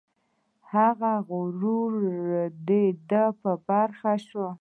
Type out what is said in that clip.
هغه غرور د ده په برخه شو.